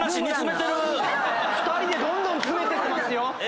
２人でどんどん詰めてってますよ！